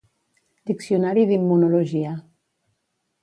Diccionari d'immunologia